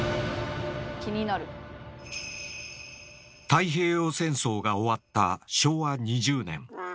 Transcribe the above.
太平洋戦争が終わった昭和２０年。